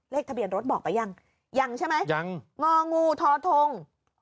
ทะเบียนรถบอกไปยังยังใช่ไหมยังงองูทอทง